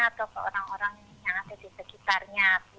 atau ke orang orang yang ada di sekitarnya